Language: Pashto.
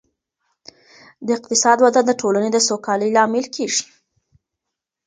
د اقتصاد وده د ټولني د سوکالۍ لامل کيږي.